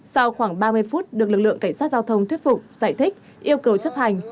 sau khoảng ba mươi phút được lực lượng cảnh sát giao thông thuyết phục giải thích yêu cầu chấp hành